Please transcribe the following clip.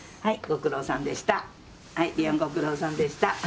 はいご苦労さんでした。